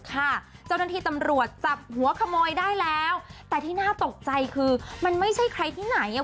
เจ้าหน้าที่ตำรวจจับหัวขโมยได้แล้วแต่ที่น่าตกใจคือมันไม่ใช่ใครที่ไหนอ่ะ